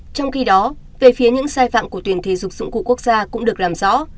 trong khi đó về phía những sai phạm của tuyển thể dục dụng cụ quốc gia cũng được làm rõ